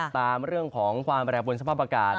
ตามเรื่องของความแปรปวนสภาพอากาศ